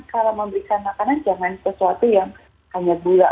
kalau memberikan makanan jangan sesuatu yang hanya gula